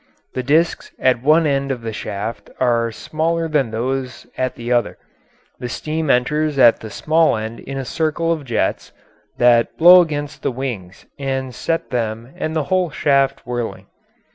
The disks at one end of the shaft are smaller than those at the other; the steam enters at the small end in a circle of jets that blow against the wings and set them and the whole shaft whirling.